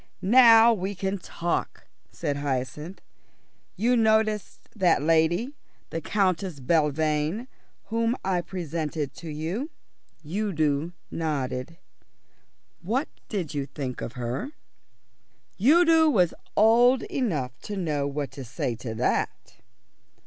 "Now we can talk," said Hyacinth. "You noticed that lady, the Countess Belvane, whom I presented to you?" Udo nodded. "What did you think of her?" Udo was old enough to know what to say to that.